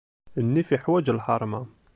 Nnif iḥwaǧ lḥeṛma.